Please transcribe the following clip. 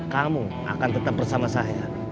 kamu akan tetap bersama saya